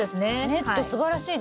ネットすばらしいですね。